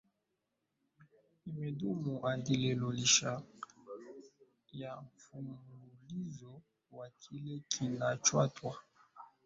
imedumu hadi leo licha ya mfululizo wa kile kinachoitwa